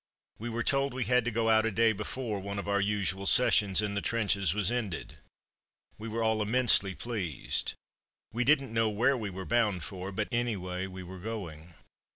We were told we had to go out a day before one of our usual sessions in the trenches was ended. We were all immensely pleased. We didn't know where we were bound for, but, anyway, we were going.